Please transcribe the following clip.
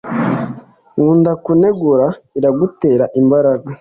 Nkunda kunegura. Iragutera imbaraga.